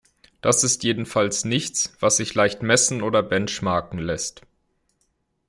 Das ist jedenfalls nichts, was sich leicht messen oder "benchmarken" lässt.